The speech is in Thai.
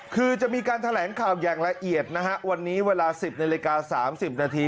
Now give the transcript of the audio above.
คือจะมีการแถลงข่าวอย่างละเอียดนะฮะวันนี้เวลาสิบในรายการสามสิบนาที